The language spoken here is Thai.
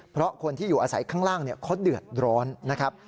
เพราะคนที่อยู่อาศัยข้างล่างเขาเดือดร้อนนะครับ